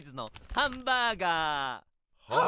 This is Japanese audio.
ハンバーガー！？